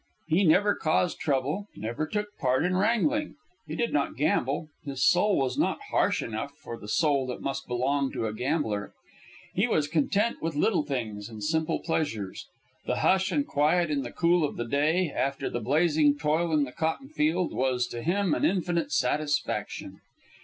He never caused trouble, never took part in wrangling. He did not gamble. His soul was not harsh enough for the soul that must belong to a gambler. He was content with little things and simple pleasures. The hush and quiet in the cool of the day after the blazing toil in the cotton field was to him an infinite satisfaction.